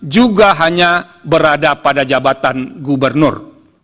juga hanya berada pada jabatan gubernur